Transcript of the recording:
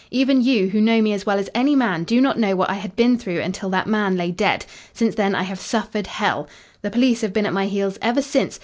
Even you, who know me as well as any man, do not know what I had been through until that man lay dead. Since then I have suffered hell. The police have been at my heels ever since.